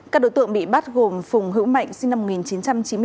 các đối tượng bị bắt gồm phùng hữu mạnh sinh năm một nghìn chín trăm chín mươi ba